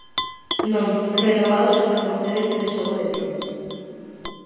Non, renovados xa están vostedes nese xogo de tronos.